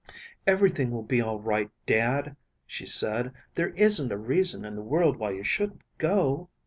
"Everything will be all right, Dad," she said. "There isn't a reason in the world why you shouldn't go.